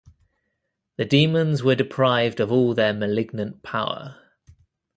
The demons were deprived of all their malignant power.